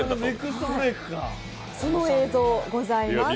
その映像がございます。